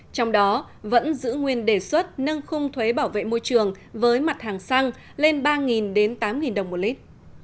trong đó vẫn giữ nguyên đề xuất nâng khung thuế bảo vệ môi trường với mặt hàng xăng lên ba đến tám đồng một lít